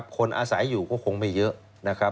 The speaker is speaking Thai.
คนอาศัยอยู่ก็คงไม่เยอะ